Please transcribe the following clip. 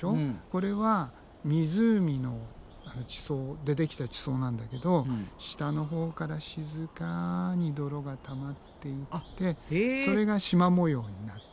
これは湖でできた地層なんだけど下のほうから静かに泥がたまっていってそれがしま模様になってるのね。